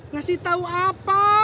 ngasih tau apa